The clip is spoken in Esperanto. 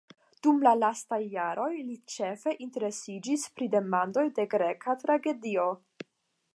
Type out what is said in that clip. Dum la lastaj jaroj li ĉefe interesiĝis pri demandoj de greka tragedio.